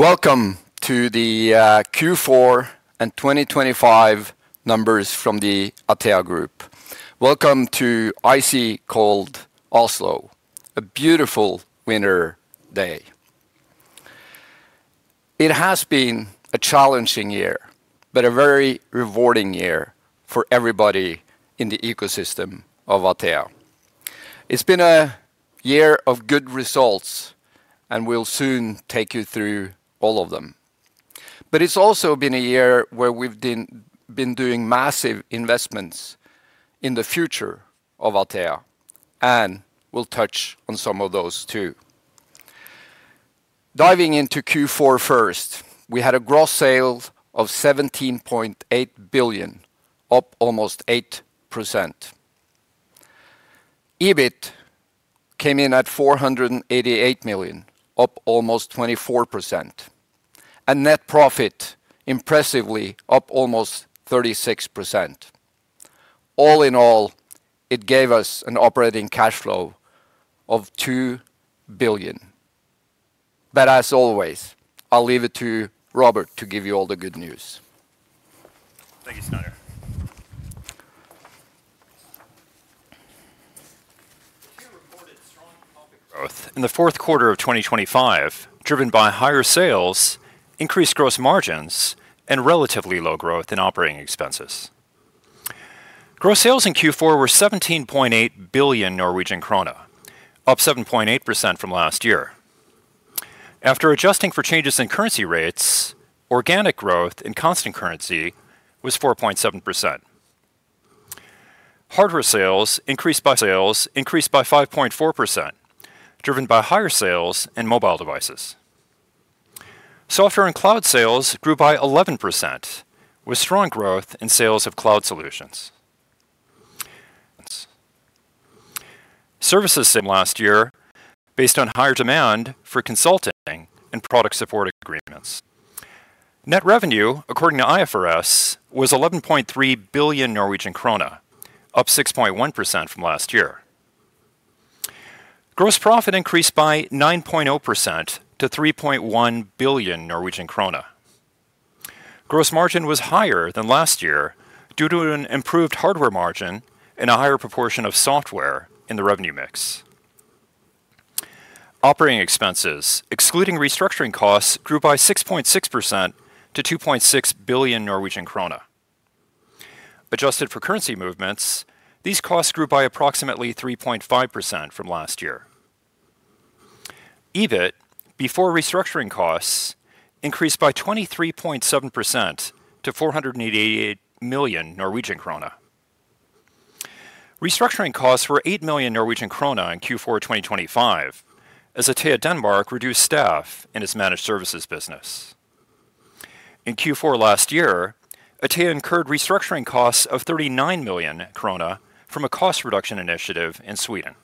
Welcome to the Q4 and 2025 numbers from the Atea Group. Welcome to icy cold Oslo, a beautiful winter day. It has been a challenging year, but a very rewarding year for everybody in the ecosystem of Atea. It's been a year of good results, and we'll soon take you through all of them. But it's also been a year where we've been doing massive investments in the future of Atea, and we'll touch on some of those, too. Diving into Q4 first, we had a gross sales of 17.8 billion, up almost 8%. EBIT came in at 488 million, up almost 24%, and net profit impressively up almost 36%. All in all, it gave us an operating cash flow of 2 billion. But as always, I'll leave it to Robert to give you all the good news. Thank you, Steinar. Atea reported strong profit growth in the fourth quarter of 2025, driven by higher sales, increased gross margins, and relatively low growth in operating expenses. Gross sales in Q4 were 17.8 billion Norwegian krone, up 7.8% from last year. After adjusting for changes in currency rates, organic growth in constant currency was 4.7%. Hardware sales increased by sales increased by 5.4%, driven by higher sales and mobile devices. Software and cloud sales grew by 11%, with strong growth in sales of cloud solutions. Services since last year, based on higher demand for consulting and product support agreements. Net revenue, according to IFRS, was 11.3 billion Norwegian krone, up 6.1% from last year. Gross profit increased by 9.0% to 3.1 billion Norwegian krone. Gross margin was higher than last year due to an improved hardware margin and a higher proportion of software in the revenue mix. Operating expenses, excluding restructuring costs, grew by 6.6% to 2.6 billion Norwegian krone. Adjusted for currency movements, these costs grew by approximately 3.5% from last year. EBIT, before restructuring costs, increased by 23.7% to 488 million Norwegian krone. Restructuring costs were 8 million Norwegian krone in Q4 2025, as Atea Denmark reduced staff in its managed services business. In Q4 last year, Atea incurred restructuring costs of 39 million krone from a cost reduction initiative in Sweden.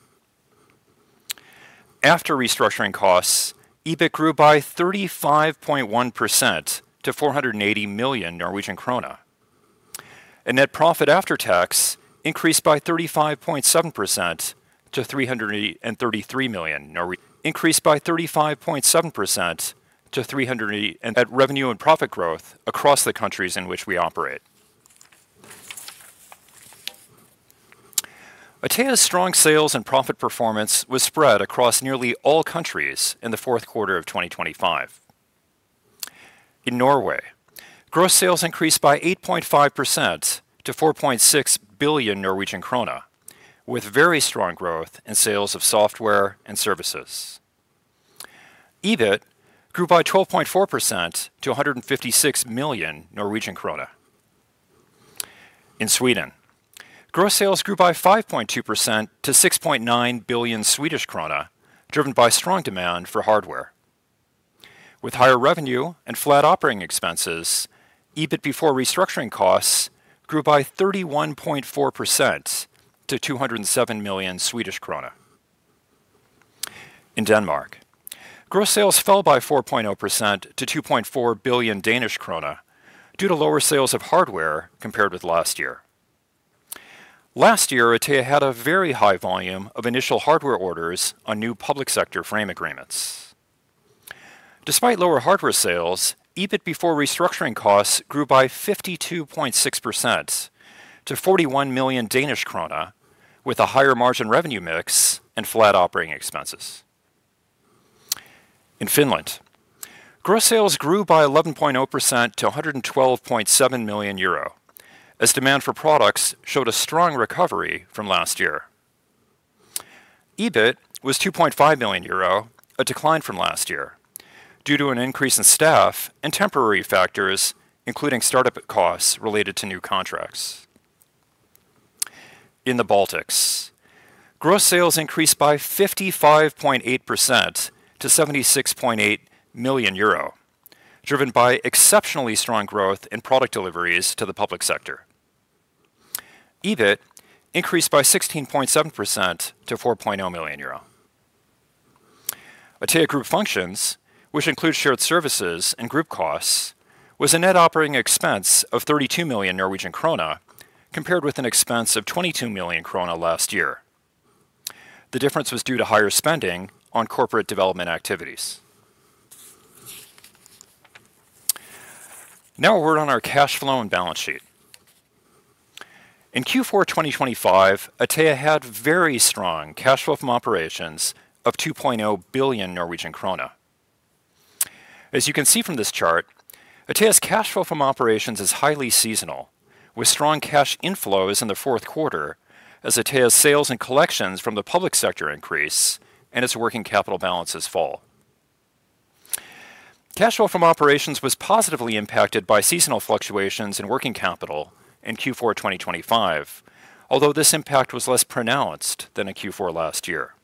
After restructuring costs, EBIT grew by 35.1% to 480 million Norwegian krone, and net profit after tax increased by 35.7% to 333 million Norwegian kroner at revenue and profit growth across the countries in which we operate. Atea's strong sales and profit performance was spread across nearly all countries in the fourth quarter of 2025. In Norway, gross sales increased by 8.5% to 4.6 billion Norwegian krone, with very strong growth in sales of software and services. EBIT grew by 12.4% to 156 million Norwegian krone. In Sweden, gross sales grew by 5.2% to 6.9 billion Swedish krona, driven by strong demand for hardware. With higher revenue and flat operating expenses, EBIT before restructuring costs grew by 31.4% to SEK 207 million. In Denmark, gross sales fell by 4.0% to 2.4 billion Danish krone due to lower sales of hardware compared with last year. Last year, Atea had a very high volume of initial hardware orders on new public sector frame agreements. Despite lower hardware sales, EBIT before restructuring costs grew by 52.6% to 41 million Danish krone, with a higher margin revenue mix and flat operating expenses. In Finland, gross sales grew by 11.0% to 112.7 million euro, as demand for products showed a strong recovery from last year. EBIT was 2.5 million euro, a decline from last year due to an increase in staff and temporary factors, including start-up costs related to new contracts. In the Baltics, gross sales increased by 55.8% to 76.8 million euro, driven by exceptionally strong growth in product deliveries to the public sector. EBIT increased by 16.7% to 4.0 million euro. Atea Group functions, which include shared services and group costs, was a net operating expense of 32 million Norwegian krone, compared with an expense of 22 million krone last year. The difference was due to higher spending on corporate development activities. Now a word on our cash flow and balance sheet. In Q4 2025, Atea had very strong cash flow from operations of 2.0 billion Norwegian krone. As you can see from this chart, Atea's cash flow from operations is highly seasonal, with strong cash inflows in the fourth quarter as Atea's sales and collections from the public sector increase and its working capital balances fall. Cash flow from operations was positively impacted by seasonal fluctuations in working capital in Q4 2025, although this impact was less pronounced than in Q4 last year.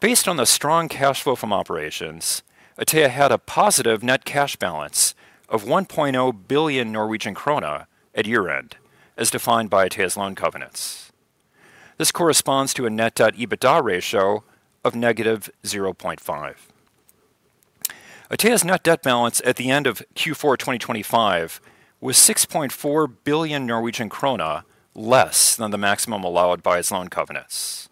Based on the strong cash flow from operations, Atea had a positive net cash balance of 1.0 billion Norwegian kroner at year-end, as defined by Atea's loan covenants. This corresponds to a net debt/EBITDA ratio of -0.5. Atea's net debt balance at the end of Q4 2025 was 6.4 billion Norwegian kroner, less than the maximum allowed by its loan covenants.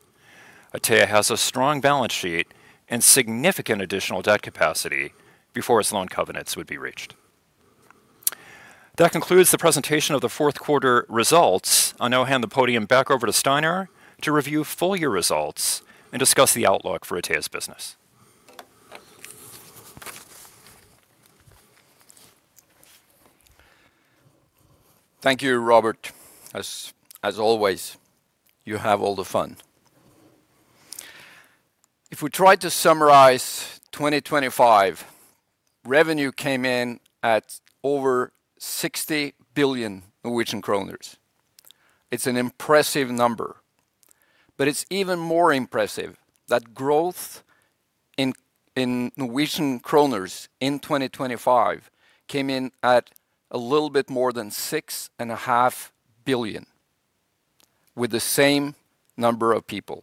Atea has a strong balance sheet and significant additional debt capacity before its loan covenants would be reached. That concludes the presentation of the fourth quarter results. I'll now hand the podium back over to Steinar to review full year results and discuss the outlook for Atea's business. Thank you, Robert. As always, you have all the fun. If we try to summarize 2025, revenue came in at over 60 billion Norwegian kroner. It's an impressive number, but it's even more impressive that growth in Norwegian kroner in 2025 came in at a little bit more than 6.5 billion with the same number of people.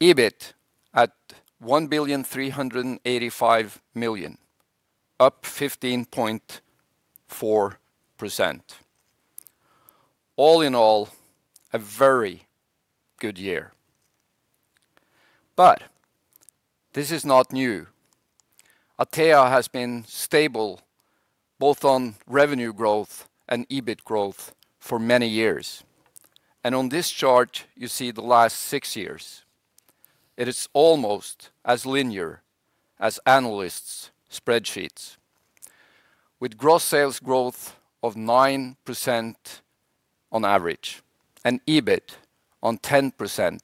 EBIT at NOK 1,385 million, up 15.4%. All in all, a very good year. But this is not new. Atea has been stable both on revenue growth and EBIT growth for many years, and on this chart, you see the last six years. It is almost as linear as analysts' spreadsheets, with gross sales growth of 9% on average and EBIT on 10%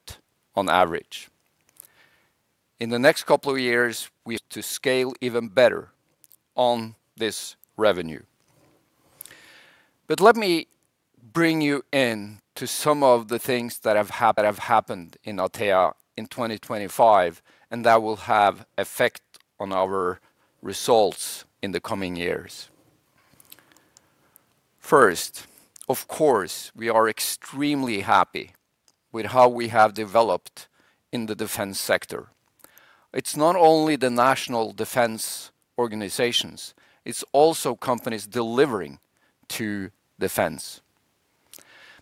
on average. In the next couple of years, we have to scale even better on this revenue. But let me bring you in to some of the things that have happened in Atea in 2025, and that will have effect on our results in the coming years. First, of course, we are extremely happy with how we have developed in the defense sector. It's not only the national defense organizations, it's also companies delivering to defense.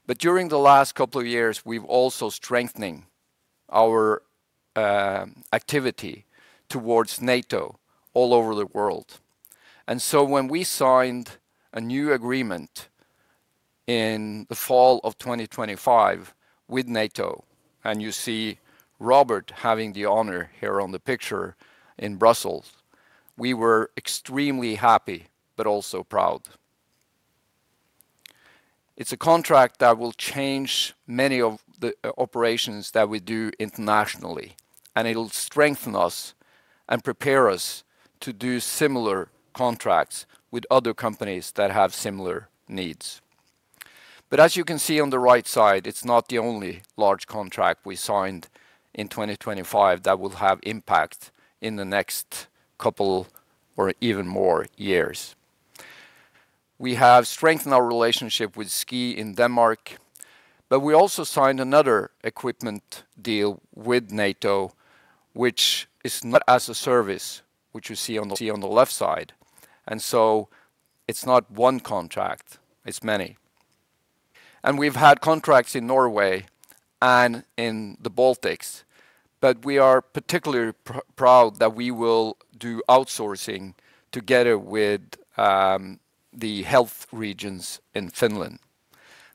But during the last couple of years, we've also strengthening our activity towards NATO all over the world. And so when we signed a new agreement in the fall of 2025 with NATO, and you see Robert having the honor here on the picture in Brussels, we were extremely happy, but also proud. It's a contract that will change many of the operations that we do internationally, and it'll strengthen us and prepare us to do similar contracts with other companies that have similar needs. But as you can see on the right side, it's not the only large contract we signed in 2025 that will have impact in the next couple or even more years. We have strengthened our relationship with SKI in Denmark, but we also signed another equipment deal with NATO, which is not as a service, which you see on the left side. And so it's not one contract, it's many. And we've had contracts in Norway and in the Baltics, but we are particularly proud that we will do outsourcing together with the health regions in Finland.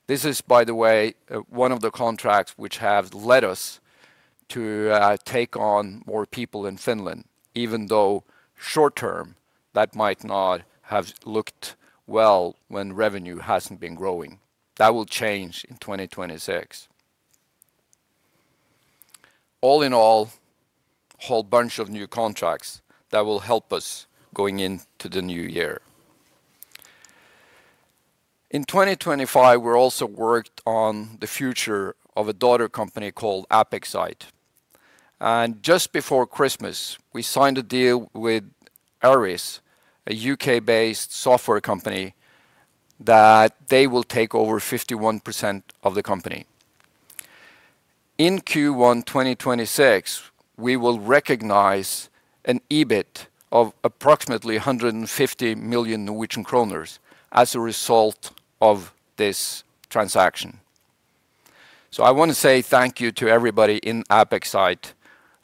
This is, by the way, one of the contracts which have led us to take on more people in Finland, even though short term, that might not have looked well when revenue hasn't been growing. That will change in 2026. All in all, a whole bunch of new contracts that will help us going into the new year. In 2025, we're also worked on the future of a daughter company called AppXite, and just before Christmas, we signed a deal with Aries, a U.K.-based software company, that they will take over 51% of the company. In Q1 2026, we will recognize an EBIT of approximately 150 million Norwegian kroner as a result of this transaction. So I wanna say thank you to everybody in AppXite,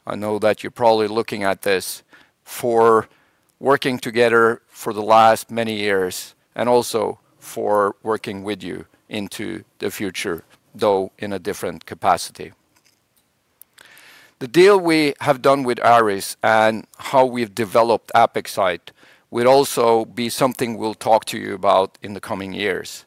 I know that you're probably looking at this, for working together for the last many years, and also for working with you into the future, though in a different capacity. The deal we have done with Aries and how we've developed AppXite will also be something we'll talk to you about in the coming years,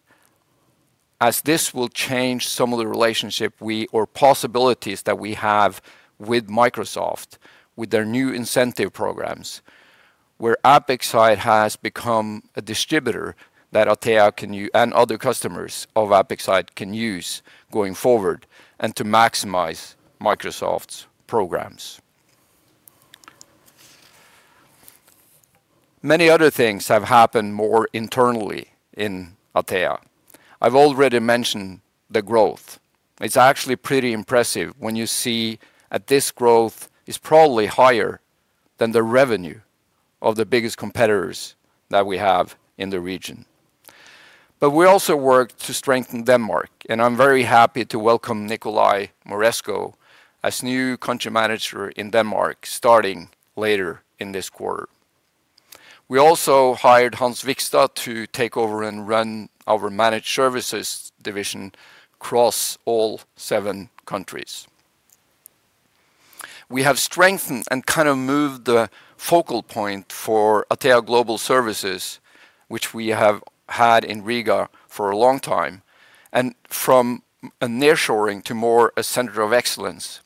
as this will change some of the relationship we or possibilities that we have with Microsoft, with their new incentive programs, where AppXite has become a distributor that Atea can and other customers of AppXite can use going forward and to maximize Microsoft's programs. Many other things have happened more internally in Atea. I've already mentioned the growth. It's actually pretty impressive when you see that this growth is probably higher than the revenue of the biggest competitors that we have in the region. But we also worked to strengthen Denmark, and I'm very happy to welcome Nicolai Moresco as new country manager in Denmark, starting later in this quarter. We also hired Hans Vigstad to take over and run our managed services division across all 7 countries. We have strengthened and kind of moved the focal point for Atea Global Services, which we have had in Riga for a long time, and from a nearshoring to more a center of excellence,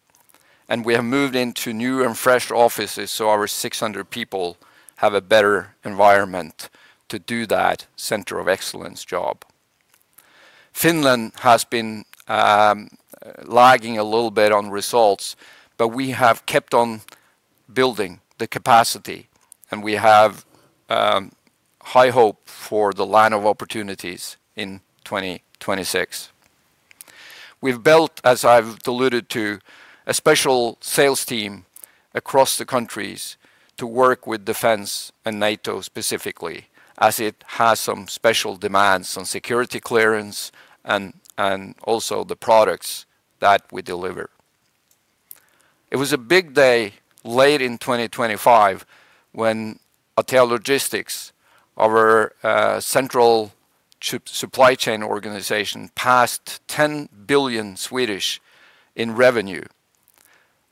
and we have moved into new and fresh offices, so our 600 people have a better environment to do that center of excellence job. Finland has been lagging a little bit on results, but we have kept on building the capacity, and we have high hope for the line of opportunities in 2026. We've built, as I've alluded to, a special sales team across the countries to work with defense and NATO specifically, as it has some special demands on security clearance and also the products that we deliver. It was a big day, late in 2025, when Atea Logistics, our central supply chain organization, passed 10 billion in revenue.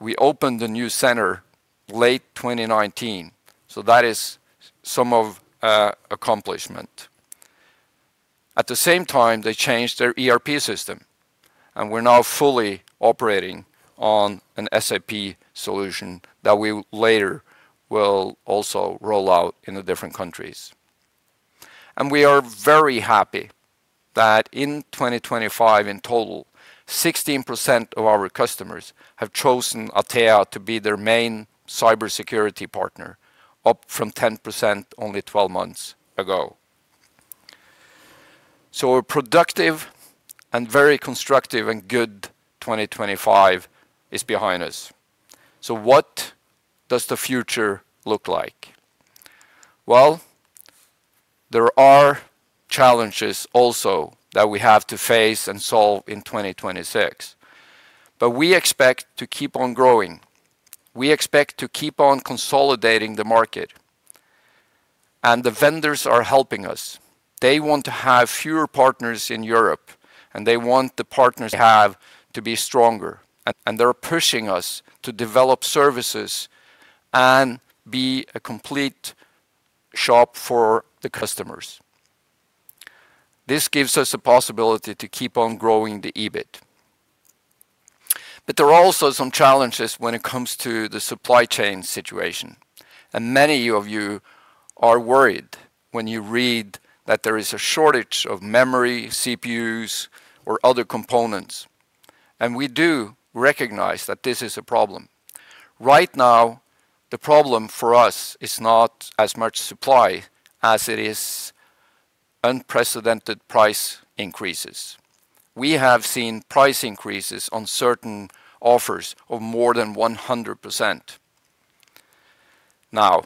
We opened the new center late 2019, so that is some accomplishment. At the same time, they changed their ERP system, and we're now fully operating on an SAP solution that we later will also roll out in the different countries. We are very happy that in 2025, in total, 16% of our customers have chosen Atea to be their main cybersecurity partner, up from 10% only 12 months ago. So a productive and very constructive and good 2025 is behind us. So what does the future look like? Well, there are challenges also that we have to face and solve in 2026, but we expect to keep on growing, we expect to keep on consolidating the market. And the vendors are helping us. They want to have fewer partners in Europe, and they want the partners have to be stronger, and they're pushing us to develop services and be a complete shop for the customers. This gives us a possibility to keep on growing the EBIT. But there are also some challenges when it comes to the supply chain situation, and many of you are worried when you read that there is a shortage of memory, CPUs, or other components, and we do recognize that this is a problem. Right now, the problem for us is not as much supply as it is unprecedented price increases. We have seen price increases on certain offers of more than 100%. Now,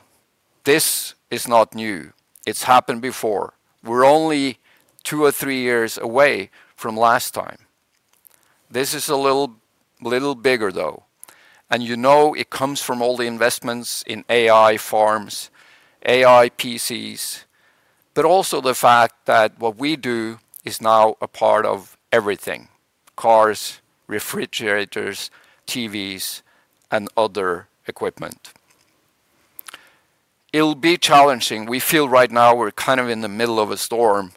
this is not new. It's happened before. We're only two or three years away from last time. This is a little, little bigger, though, and you know, it comes from all the investments in AI farms, AI PCs, but also the fact that what we do is now a part of everything: cars, refrigerators, TVs, and other equipment. It'll be challenging. We feel right now we're kind of in the middle of a storm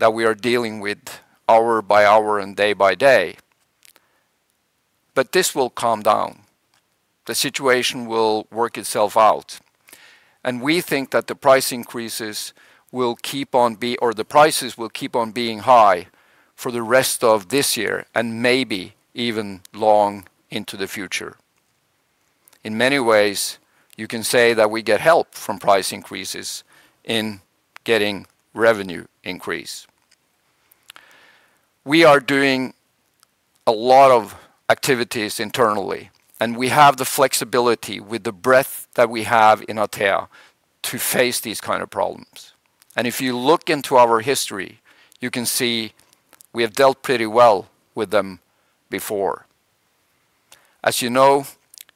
that we are dealing with hour by hour and day by day. But this will calm down. The situation will work itself out, and we think that the prices will keep on being high for the rest of this year and maybe even long into the future. In many ways, you can say that we get help from price increases in getting revenue increase. We are doing a lot of activities internally, and we have the flexibility with the breadth that we have in Atea to face these kind of problems. And if you look into our history, you can see we have dealt pretty well with them before. As you know,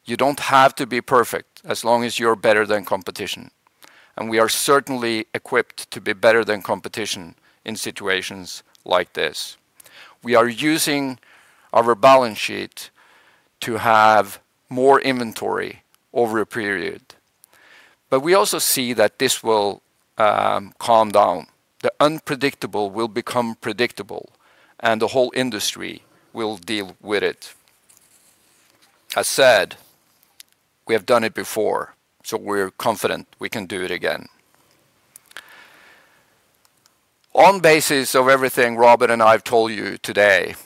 you don't have to be perfect, as long as you're better than competition, and we are certainly equipped to be better than competition in situations like this. We are using our balance sheet to have more inventory over a period, but we also see that this will calm down. The unpredictable will become predictable, and the whole industry will deal with it. I said we have done it before, so we're confident we can do it again. On basis of everything Robert and I have told you today,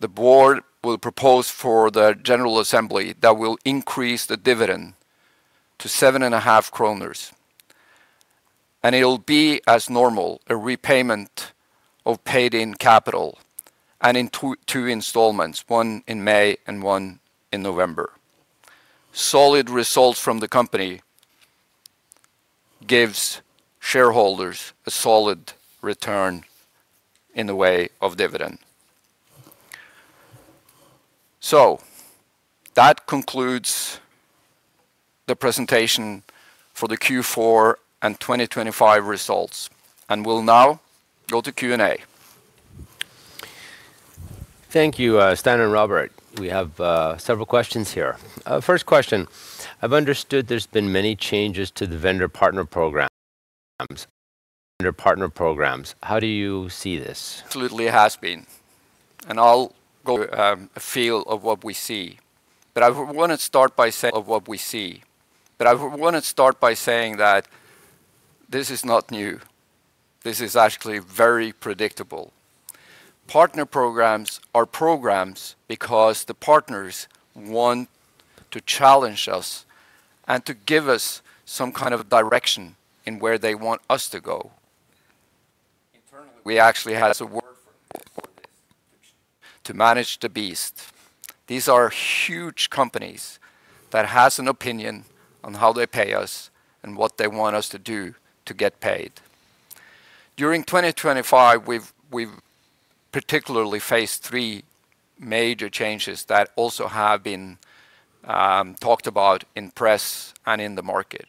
the board will propose for the general assembly that we'll increase the dividend to 7.5 kroner, and it'll be, as normal, a repayment of paid-in capital and in two installments, one in May and one in November. Solid results from the company gives shareholders a solid return in the way of dividend. That concludes the presentation for the Q4 and 2025 results, and we'll now go to Q&A. Thank you, Steinar and Robert. We have several questions here. First question: I've understood there's been many changes to the vendor partner programs, vendor partner programs. How do you see this? Absolutely, it has been, and I'll go a feel of what we see. But I wanna start by saying that this is not new. This is actually very predictable. Partner programs are programs because the partners want to challenge us and to give us some kind of direction in where they want us to go. We actually has a word for this, to manage the beast. These are huge companies that has an opinion on how they pay us and what they want us to do to get paid. During 2025, we've particularly faced three major changes that also have been talked about in press and in the market.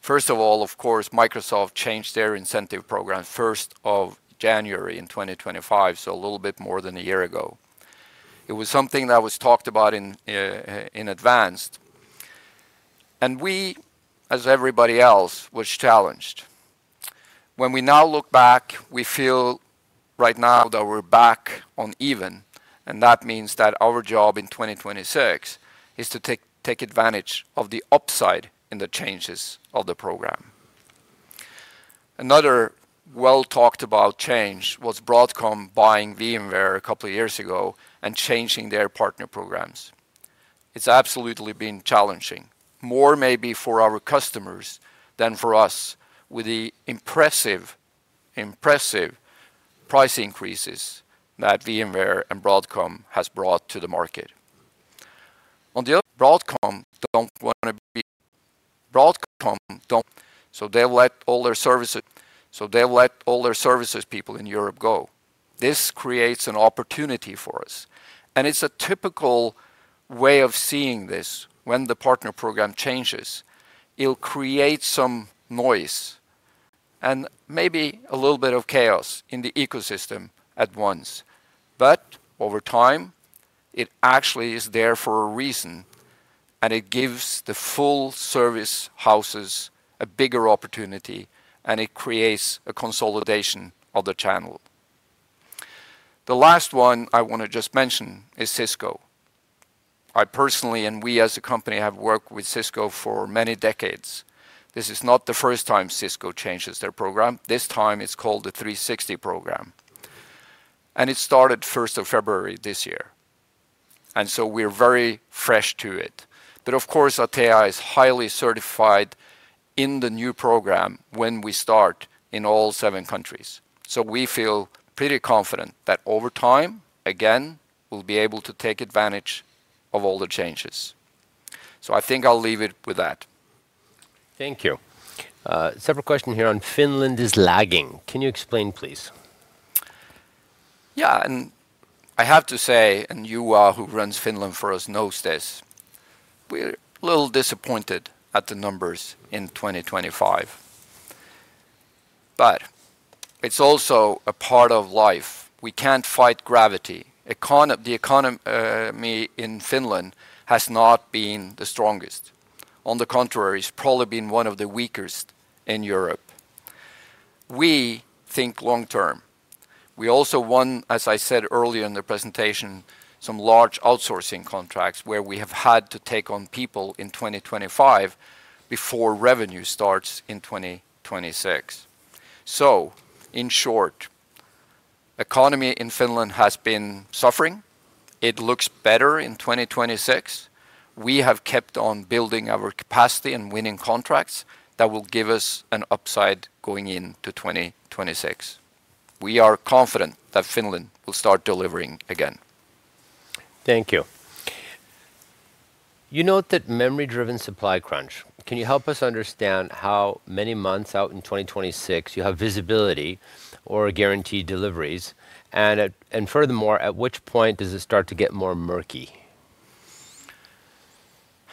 First of all, of course, Microsoft changed their incentive program first of January in 2025, so a little bit more than a year ago. It was something that was talked about in advance, and we, as everybody else, was challenged. When we now look back, we feel right now that we're back on even, and that means that our job in 2026 is to take advantage of the upside in the changes of the program. Another well-talked about change was Broadcom buying VMware a couple of years ago and changing their partner programs. It's absolutely been challenging. More maybe for our customers than for us, with the impressive price increases that VMware and Broadcom has brought to the market. On the other, Broadcom don't wanna be... Broadcom don't-- So they let all their services people in Europe go. This creates an opportunity for us, and it's a typical way of seeing this when the partner program changes. It'll create some noise and maybe a little bit of chaos in the ecosystem at once. But over time, it actually is there for a reason, and it gives the full service houses a bigger opportunity, and it creates a consolidation of the channel. The last one I wanna just mention is Cisco. I personally, and we as a company, have worked with Cisco for many decades. This is not the first time Cisco changes their program. This time it's called the Cisco 360 Program, and it started first of February this year, and so we're very fresh to it. But of course, Atea is highly certified in the new program when we start in all seven countries. So we feel pretty confident that over time, again, we'll be able to take advantage of all the changes. So I think I'll leave it with that. Thank you. Several question here on Finland is lagging. Can you explain, please? Yeah, and I have to say, and you, who runs Finland for us, knows this, we're a little disappointed at the numbers in 2025, but it's also a part of life. We can't fight gravity. The economy in Finland has not been the strongest. On the contrary, it's probably been one of the weakest in Europe. We think long term. We also won, as I said earlier in the presentation, some large outsourcing contracts where we have had to take on people in 2025 before revenue starts in 2026. So in short, the economy in Finland has been suffering. It looks better in 2026. We have kept on building our capacity and winning contracts that will give us an upside going into 2026. We are confident that Finland will start delivering again. Thank you. You note that memory-driven supply crunch. Can you help us understand how many months out in 2026 you have visibility or guaranteed deliveries? And furthermore, at which point does it start to get more murky?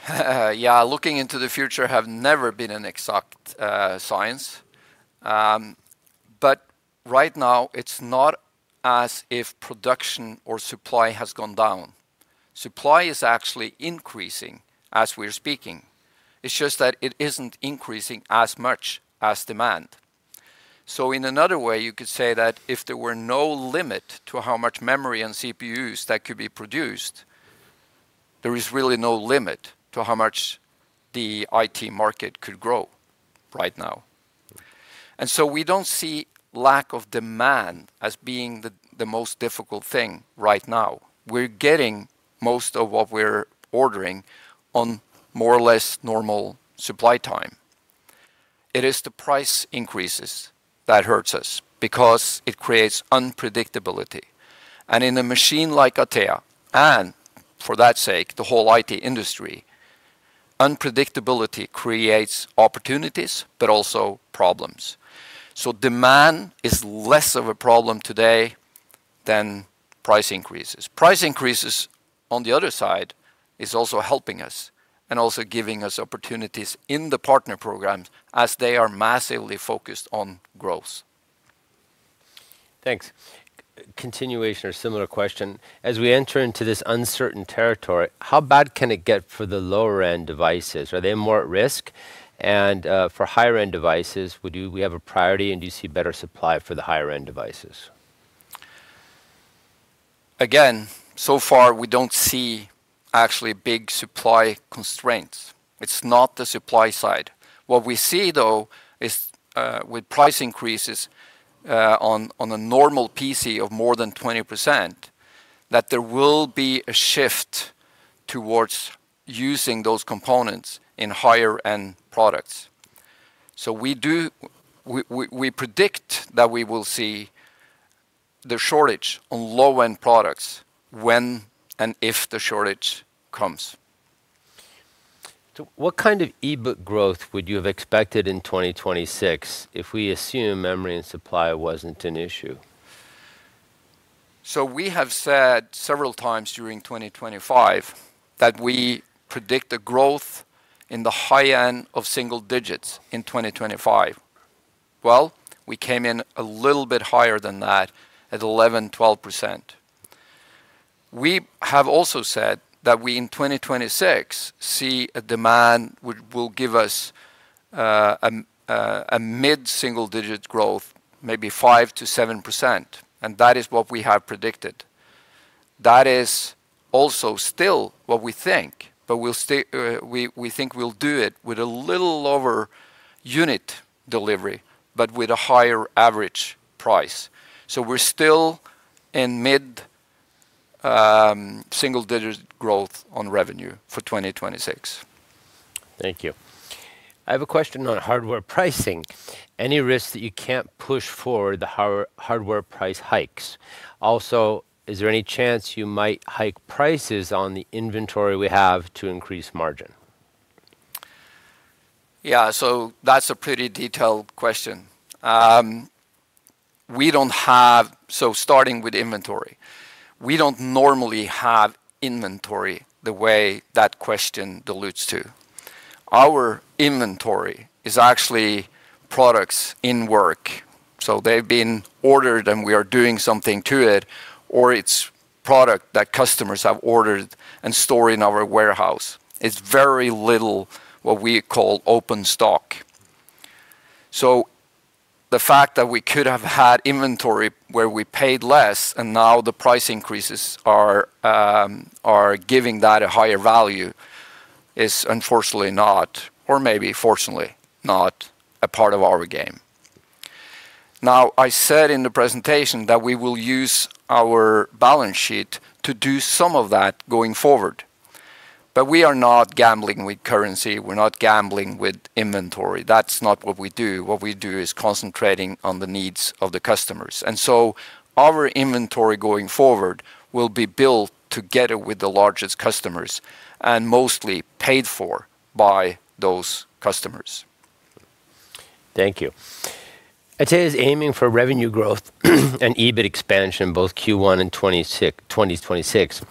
Yeah, looking into the future have never been an exact science. But right now, it's not as if production or supply has gone down. Supply is actually increasing as we're speaking. It's just that it isn't increasing as much as demand. So in another way, you could say that if there were no limit to how much memory and CPUs that could be produced, there is really no limit to how much the IT market could grow right now. And so we don't see lack of demand as being the most difficult thing right now. We're getting most of what we're ordering on more or less normal supply time. It is the price increases that hurts us because it creates unpredictability, and in a machine like Atea, and for that sake, the whole IT industry, unpredictability creates opportunities but also problems. Demand is less of a problem today than price increases. Price increases, on the other side, is also helping us and also giving us opportunities in the partner programs as they are massively focused on growth. Thanks. Continuation or similar question: as we enter into this uncertain territory, how bad can it get for the lower-end devices? Are they more at risk? For higher-end devices, we have a priority, and do you see better supply for the higher-end devices? Again, so far, we don't see actually big supply constraints. It's not the supply side. What we see, though, is, with price increases on a normal PC of more than 20%, that there will be a shift towards using those components in higher-end products. So we do, we predict that we will see the shortage on low-end products when and if the shortage comes. What kind of EBIT growth would you have expected in 2026 if we assume memory and supply wasn't an issue? So we have said several times during 2025 that we predict a growth in the high end of single digits in 2025. Well, we came in a little bit higher than that, at 11%-12%. We have also said that we, in 2026, see a demand which will give us a mid-single-digit growth, maybe 5% to 7%, and that is what we have predicted. That is also still what we think, but we'll stay. We think we'll do it with a little lower unit delivery but with a higher average price. So we're still in mid single-digit growth on revenue for 2026. Thank you. I have a question on hardware pricing. Any risk that you can't push forward the hardware price hikes? Also, is there any chance you might hike prices on the inventory we have to increase margin? Yeah, so that's a pretty detailed question. So starting with inventory, we don't normally have inventory the way that question alludes to. Our inventory is actually products in work, so they've been ordered, and we are doing something to it, or it's product that customers have ordered and stored in our warehouse. It's very little, what we call open stock. So the fact that we could have had inventory where we paid less and now the price increases are giving that a higher value is unfortunately not, or maybe fortunately not, a part of our game. Now, I said in the presentation that we will use our balance sheet to do some of that going forward, but we are not gambling with currency. We're not gambling with inventory. That's not what we do. What we do is concentrating on the needs of the customers, and so our inventory going forward will be built together with the largest customers and mostly paid for by those customers. Thank you. Atea is aiming for revenue growth and EBIT expansion in both Q1 and 2026.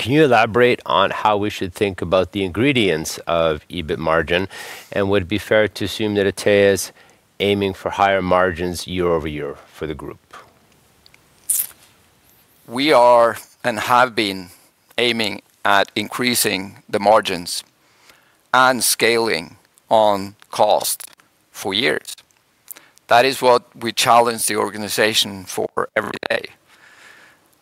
Can you elaborate on how we should think about the ingredients of EBIT margin, and would it be fair to assume that Atea is aiming for higher margins year-over-year for the group? We are and have been aiming at increasing the margins and scaling on cost for years. That is what we challenge the organization for every day.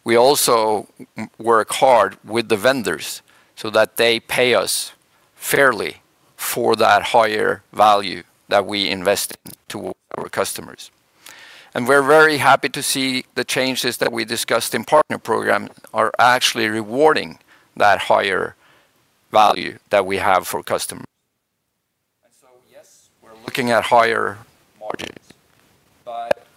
We also work hard with the vendors so that they pay us fairly for that higher value that we invest in to our customers. And we're very happy to see the changes that we discussed in partner program are actually rewarding that higher value that we have for customers. And so, yes, we're looking at higher margins,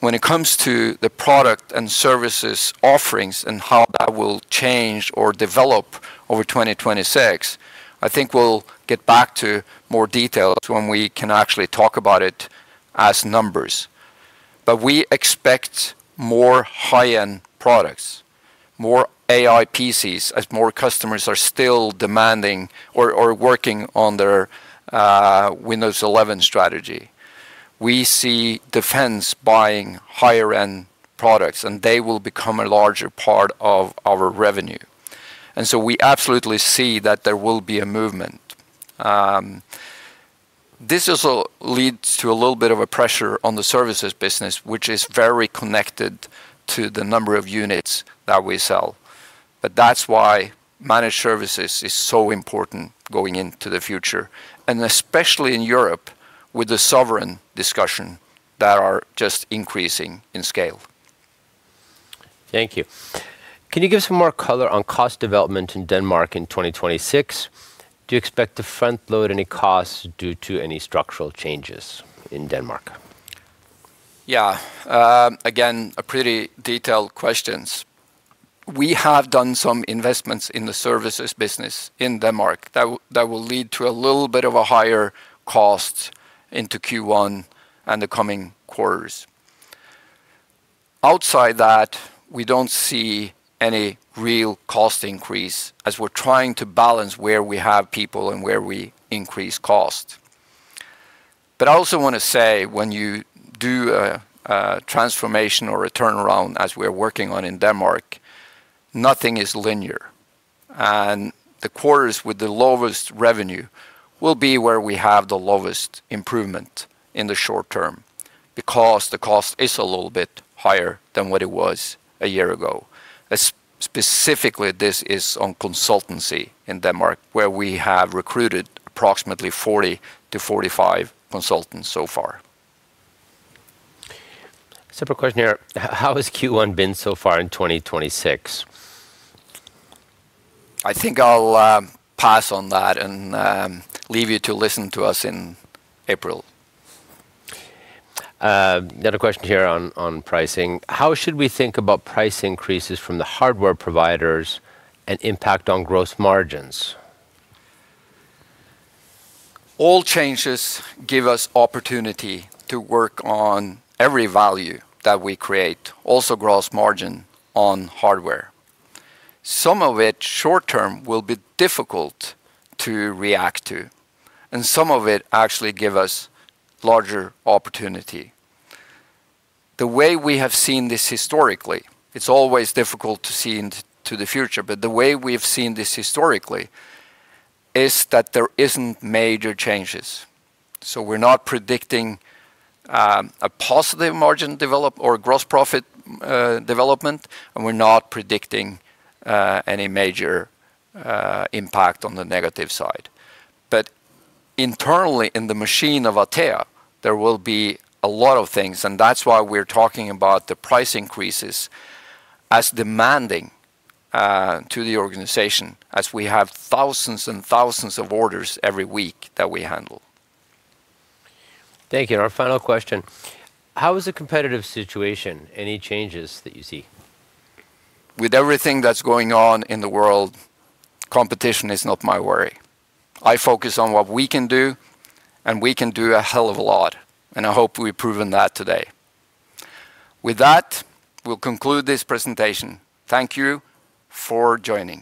but when it comes to the product and services offerings and how that will change or develop over 2026, I think we'll get back to more details when we can actually talk about it as numbers. But we expect more high-end products, more AI PCs, as more customers are still demanding or working on their Windows 11 strategy. We see defense buying higher-end products, and they will become a larger part of our revenue, and so we absolutely see that there will be a movement. This also leads to a little bit of a pressure on the services business, which is very connected to the number of units that we sell. But that's why managed services is so important going into the future, and especially in Europe, with the sovereign discussion that are just increasing in scale. Thank you. Can you give some more color on cost development in Denmark in 2026? Do you expect to front-load any costs due to any structural changes in Denmark? Yeah. Again, a pretty detailed questions. We have done some investments in the services business in Denmark that will lead to a little bit of a higher cost into Q1 and the coming quarters. Outside that, we don't see any real cost increase, as we're trying to balance where we have people and where we increase cost. But I also want to say, when you do a transformation or a turnaround, as we're working on in Denmark, nothing is linear, and the quarters with the lowest revenue will be where we have the lowest improvement in the short term. Because the cost is a little bit higher than what it was a year ago. Specifically, this is on consultancy in Denmark, where we have recruited approximately 40-45 consultants so far. Separate question here: How has Q1 been so far in 2026? I think I'll pass on that and leave you to listen to us in April. The other question here on pricing: How should we think about price increases from the hardware providers and impact on gross margins? All changes give us opportunity to work on every value that we create, also gross margin on hardware. Some of it, short term, will be difficult to react to, and some of it actually give us larger opportunity. The way we have seen this historically, it's always difficult to see into the future, but the way we have seen this historically is that there isn't major changes. So we're not predicting a positive margin develop or a gross profit development, and we're not predicting any major impact on the negative side. But internally, in the machine of Atea, there will be a lot of things, and that's why we're talking about the price increases as demanding to the organization, as we have thousands and thousands of orders every week that we handle. Thank you. Our final question: How is the competitive situation? Any changes that you see? With everything that's going on in the world, competition is not my worry. I focus on what we can do, and we can do a hell of a lot, and I hope we've proven that today. With that, we'll conclude this presentation. Thank you for joining.